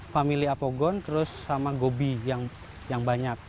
family apogon terus sama gobi yang banyak